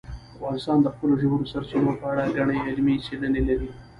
افغانستان د خپلو ژورو سرچینو په اړه ګڼې علمي څېړنې لري.